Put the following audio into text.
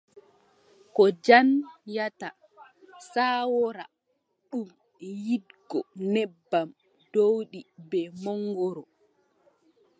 Ko jaanyata sawoora, ɗum yiɗgo nebbam, ɗowdi bee mongoro.